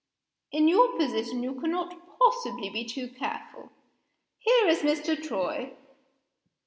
In your position you cannot possibly be too careful. Here is Mr. Troy!